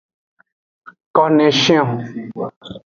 Koneshion.